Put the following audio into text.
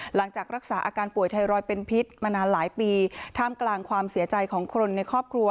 หลังจากรักษาอาการป่วยไทรอยด์เป็นพิษมานานหลายปีท่ามกลางความเสียใจของคนในครอบครัว